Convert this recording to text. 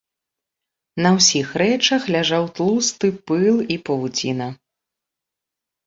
На ўсіх рэчах ляжаў тлусты пыл і павуціна.